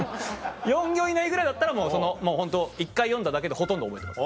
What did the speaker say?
４行以内ぐらいだったらホント１回読んだだけでほとんど覚えてます。